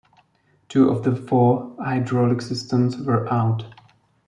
Two of the four hydraulic systems were out.